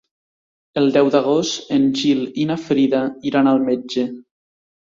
El deu d'agost en Gil i na Frida iran al metge.